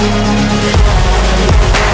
aku mau ngeliatin apaan